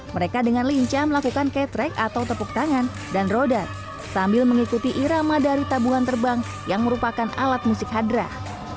mereka dengan lincah melakukan catreck atau tepuk tangan dan roda sambil mengikuti irama dari tabungan terbang yang merupakan alat musik hadrah